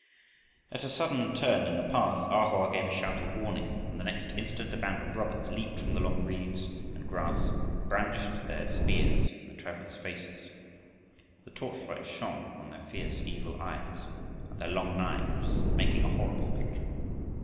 At a sudden turn in the path A Hoa gave a shout of warning, and the next instant, a band of robbers leaped from the long reeds and grass, and brandished their spears in the travelers' faces. The torchlight shone on their fierce evil eyes and their long knives, making a horrible picture.